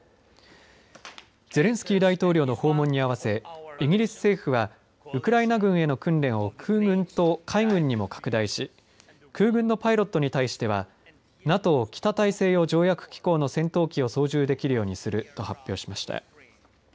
ゼレンスキー大統領の訪問に合わせイギリス政府はウクライナ軍への訓練を空軍と海軍にも拡大し空軍のパイロットに対してはＮＡＴＯ北大西洋条約機構の戦闘機を操縦できるようにすると発表しました。